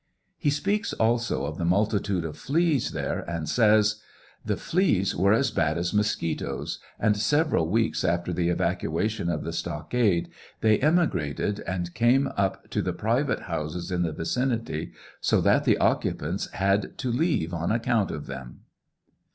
He speaks also of the multitude of fleas there, and says : The fleas were as bad as mosquitos, and several weeks after the evacuation of the stockade they emigrated and came up to the private houses in the vicinity, so that the occupants had to leave on account of them.